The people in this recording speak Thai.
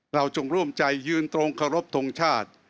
จงร่วมใจยืนตรงเคารพทงชาติ